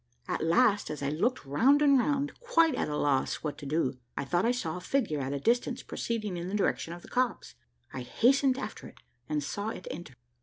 At last, as I looked round and round, quite at a loss what to do, I thought I saw a figure at a distance proceeding in the direction of the copse. I hastened after it and saw it enter.